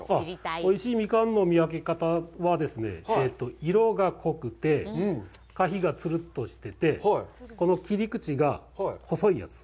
おいしいミカンの見分け方はですね、色が濃くて、果皮がツルッとしてて、この切り口が細いやつ。